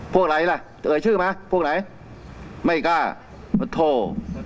พวกไหนล่ะเอ่ยชื่อมาพวกไหนไม่กล้าเขาโทร